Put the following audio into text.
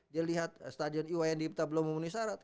dia lihat stadion iwa yang diimta belum memenuhi syarat